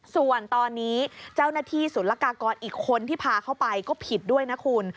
ส่วนตอนนี้เจ้าหน้าที่ศูนย์ละกากรอีกคนที่พาเข้าไปก็ผิดด้วยนะคุณ